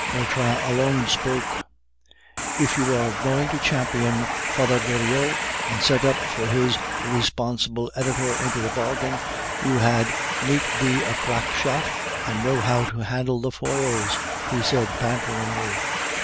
Vautrin alone spoke. "If you are going to champion Father Goriot, and set up for his responsible editor into the bargain, you had need be a crack shot and know how to handle the foils," he said, banteringly.